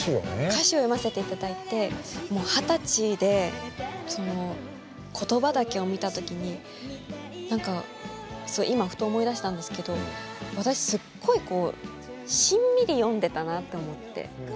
歌詞を読ませていただいてもう二十歳でその言葉だけを見た時に何か今ふと思い出したんですけど私すっごいこうしんみり読んでたなと思ってこの歌詞を。